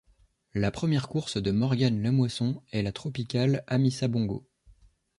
La première course de Morgan Lamoisson est la Tropicale Amissa Bongo.